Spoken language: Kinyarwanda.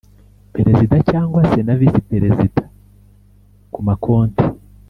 Perezida cyangwa se na visi perezida ku ma konti